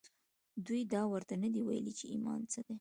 دوی دا ورته نه دي ویلي چې ایمان څه دی